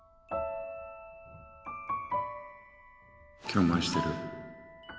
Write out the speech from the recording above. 今日も愛してる？